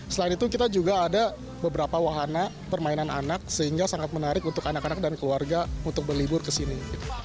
selain itu kita juga ada beberapa wahana permainan anak sehingga sangat menarik untuk anak anak dan keluarga untuk berlibur ke sini